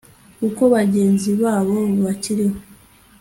kuko bagenzi babo bakiriho